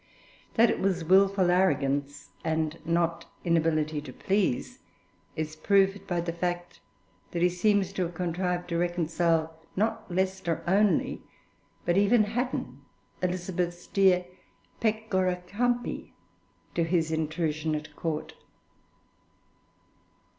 That it was wilful arrogance, and not inability to please, is proved by the fact that he seems to have contrived to reconcile not Leicester only but even Hatton, Elizabeth's dear 'Pecora Campi,' to his intrusion at Court.